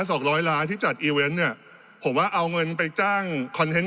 สองร้อยล้านที่จัดอีเวนต์เนี่ยผมว่าเอาเงินไปจ้างคอนเทนต์